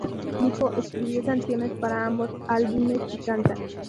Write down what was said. Miko escribió canciones para ambos álbumes y canta.